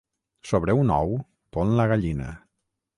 Sobre un ou pon la gallina.